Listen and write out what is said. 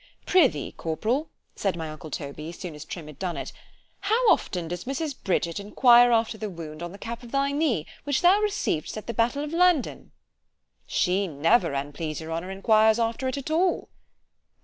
Prithee, corporal, said my uncle Toby, as soon as Trim had done it——how often does Mrs. Bridget enquire after the wound on the cap of thy knee, which thou received'st at the battle of Landen? She never, an' please your honour, enquires after it at all.